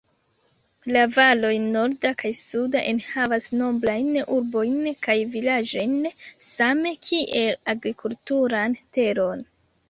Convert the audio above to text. La valoj norda kaj suda enhavas nombrajn urbojn kaj vilaĝojn same kiel agrikulturan teron.